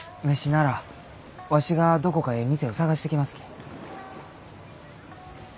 ならわしがどこかえい店を探してきますき。